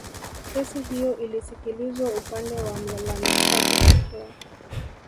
Kesi hiyo ilisikilizwa upande wa mlalamikaji pekee